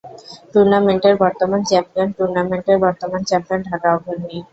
টুর্নামেন্টের বর্তমান চ্যাম্পিয়ন টুর্নামেন্টের বর্তমান চ্যাম্পিয়ন ঢাকা আবাহনী।